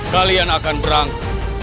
kalian akan berangkat